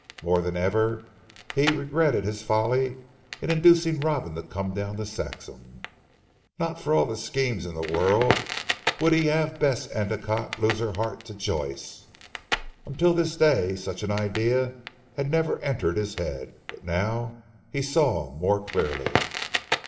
More than ever he regretted his folly in inducing Robin to come down to Saxham. Not for all the schemes in the world would he have Bess Endicotte lose her heart to Joyce. Until this day such an idea had never entered his head: but now he saw more clearly.